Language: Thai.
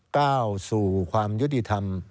ก้าวสู่ความยุติธรรม